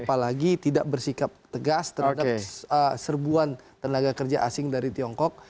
apalagi tidak bersikap tegas terhadap serbuan tenaga kerja asing dari tiongkok